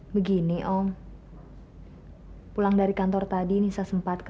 begini om pulang dari kantor tadi nisa sembunyikan